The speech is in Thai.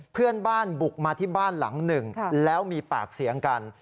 เพื่อนบ้านบุกมาที่บ้านหลังหนึ่งแล้วมีปากเสียงกัน